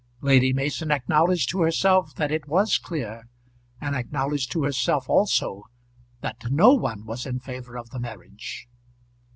Lady Mason acknowledged to herself that it was clear, and acknowledged to herself also that no one was in favour of the marriage.